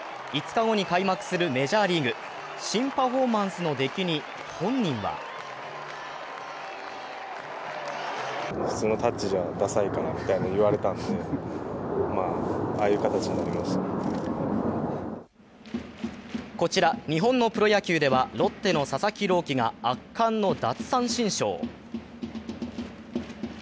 ５日後に開幕するメジャーリーグ、新パフォーマンスの出来に本人はこちら、日本のプロ野球ではロッテの佐々木朗希が圧巻の奪三振ショー。